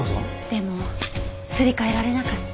でもすり替えられなかった。